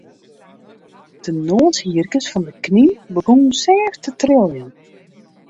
De noashierkes fan de knyn begûnen sêft te triljen.